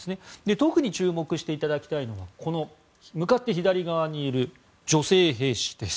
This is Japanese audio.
特に注目していただきたいのが向かって左側にいる女性兵士です。